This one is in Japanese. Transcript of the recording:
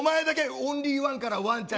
オンリーワンからワンちゃん。